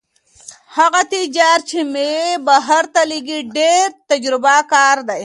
هغه تجار چې مېوې بهر ته لېږي ډېر تجربه کار دی.